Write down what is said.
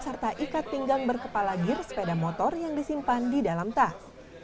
serta ikat pinggang berkepala gear sepeda motor yang disimpan di dalam tas